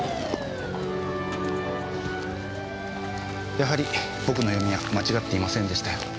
やはり僕の読みは間違っていませんでしたよ。